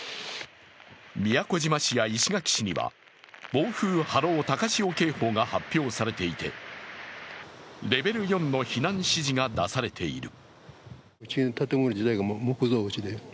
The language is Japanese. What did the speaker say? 宮古島市や石垣市には暴風・波浪・高潮警報が発表されていてレベル４の避難指示が出されている